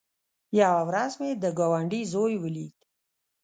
يوه ورځ مې د گاونډي زوى وليد.